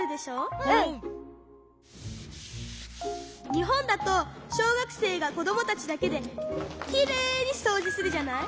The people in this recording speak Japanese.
にほんだとしょうがくせいがこどもたちだけできれいにそうじするじゃない。